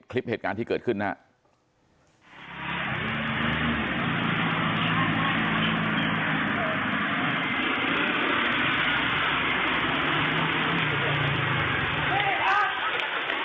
คลิปเหตุการณ์ที่เกิดขึ้นนะครับ